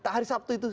hari sabtu itu